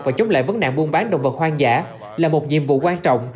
và chống lại vấn nạn buôn bán động vật hoang dã là một nhiệm vụ quan trọng